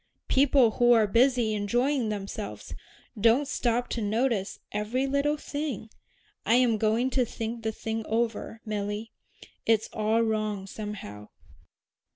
People who are busy enjoying themselves don't stop to notice every little thing. I am going to think the thing over, Milly. It's all wrong somehow."